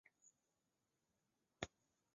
长尖突紫堇为罂粟科紫堇属下的一个种。